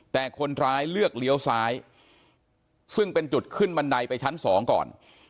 แต่คนร้ายเลือกเลี้ยวซ้ายซึ่งเป็นจุดขึ้นบันไดไปชั้น๒ก่อน